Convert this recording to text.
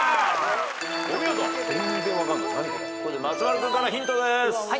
ここで松丸君からヒントです。